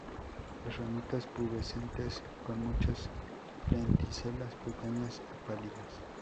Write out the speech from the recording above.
Las ramitas pubescentes con muchas lenticelas pequeñas y pálidas.